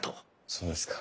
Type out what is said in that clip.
そうですか。